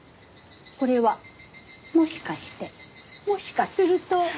これはもしかしてもしかすると。